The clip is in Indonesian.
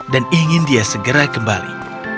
dan ingin dia segera kembali